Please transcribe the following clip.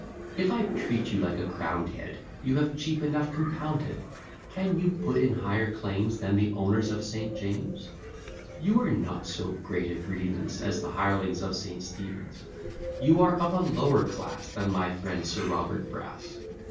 If I treat you like a crown'd head, You have cheap enough compounded; Can you put in higher claims, Than the owners of St. James? You are not so great a grievance, As the hirelings of St. Stephen's. You are of a lower class Than my friend Sir Robert Brass.